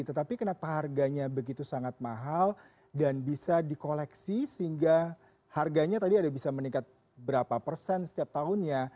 tetapi kenapa harganya begitu sangat mahal dan bisa di koleksi sehingga harganya tadi ada bisa meningkat berapa persen setiap tahunnya